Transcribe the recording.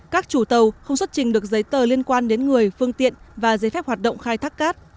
các chủ tàu không xuất trình được giấy tờ liên quan đến người phương tiện và giấy phép hoạt động khai thác cát